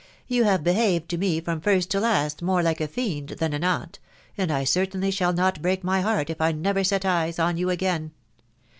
— iC You have behaved to me from first to last more like a fiend than an aunt, and I certainly shall not break my heart if I never set my eyes on you again.